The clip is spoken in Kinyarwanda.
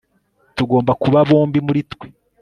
tugomba kuba bombi muri twe